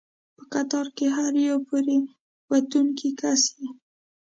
په قطار کې هر یو پورې ووتونکی کس یې.